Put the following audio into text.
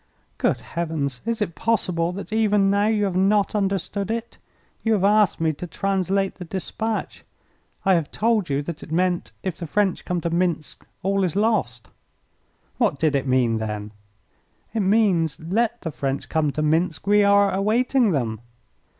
"Good heavens! Is it possible that even now you have not understood it? You have asked me to translate the despatch. I have told you that it meant, 'If the French come to Minsk all is lost.'" "What did it mean, then?" "It means, 'Let the French come to Minsk. We are awaiting them."'